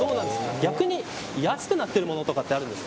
逆に安くなってるものあるんですか。